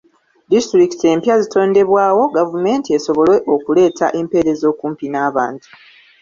Disitulikiti empya zitondebwawo gavumenti esobole okuleeta empeereza okumpi n'abantu.